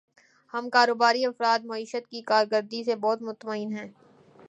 ہم کاروباری افراد معیشت کی کارکردگی سے بہت مطمئن ہیں